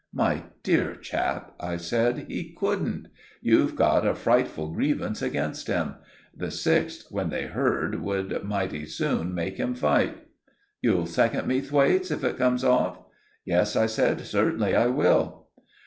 "My dear chap," I said, "he couldn't. You've got a frightful grievance against him. The sixth, when they heard, would mighty soon make him fight." "You'll second me, Thwaites, if it comes off?" "Yes," I said. "Certainly I will."